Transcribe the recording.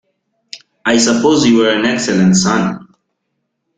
I suppose you were an excellent son.